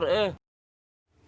udah kalah langsung kabur